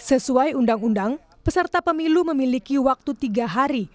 sesuai undang undang peserta pemilu memiliki waktu tiga hari